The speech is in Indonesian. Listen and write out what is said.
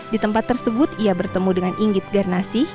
di tempat tersebut ia bertemu dengan inggit garnasih